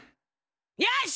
よし！